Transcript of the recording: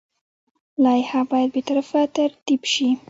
لایحه باید بې طرفه ترتیب شي.